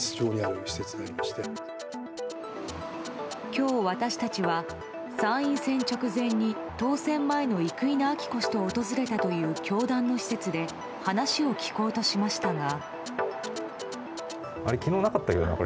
今日、私たちは参院選直前に当選前の生稲晃子氏と訪れたという教団の施設で話を聞こうとしましたが。